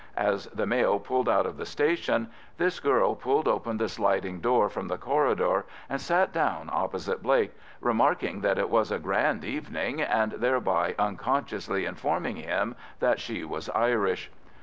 As the mail pulled out of the station this girl pulled open the sliding door from the corridor and sat down opposite Blake, remarking that it was a grand evening, and thereby unconsciously informing him that she was Irish.